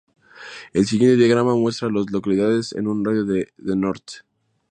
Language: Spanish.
El siguiente diagrama muestra a las localidades en un radio de de North.